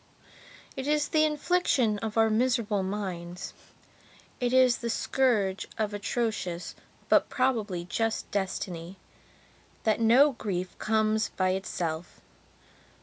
It is the infliction of our miserable mindsit is the scourge of atrocious but probably just destiny that no grief comes by itself.